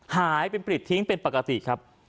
หายเป็นปริดทิ้งเป็นปกติครับ